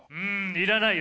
いらないよ